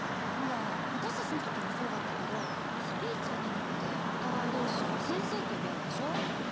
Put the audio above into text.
ほら私たちのときもそうだったけどスピーチや何かでお互い同士を先生って呼び合うでしょ？